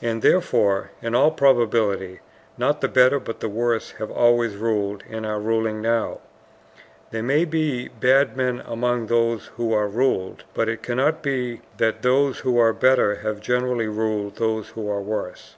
And therefore, in all probability, not the better but the worse have always ruled and are ruling now. There may be bad men among those who are ruled, but it cannot be that those who are better have generally ruled those who are worse.